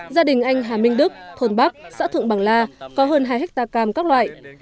gia đình anh hà minh đức thôn bắc xã thượng bằng la có hơn hai hectare cam các loại